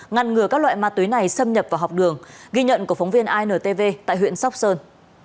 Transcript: ngăn ngừa các loại ma túy này xâm nhập vào học đường ghi nhận của phóng viên intv tại huyện sóc sơn